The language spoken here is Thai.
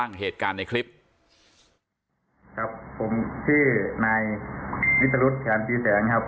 เกี่ยวกับเหตุการณ์ในคลิปครับผมชื่อนายนิตรฤทธิ์แขนภีร์แสงครับ